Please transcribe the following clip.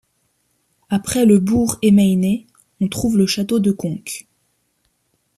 Après le bourg et Meyney, on trouve le château de Conques.